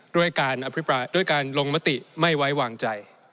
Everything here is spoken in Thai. ด้วยการลงมติไม่ไว้วางใจ